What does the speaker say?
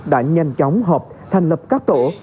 đã nhanh chóng họp thành lập các tổ